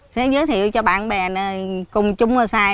sẽ giới thiệu cho bạn bè cùng chung mà xài